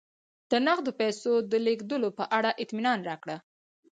د نغدو پیسو د لېږلو په اړه اطمینان راکړه.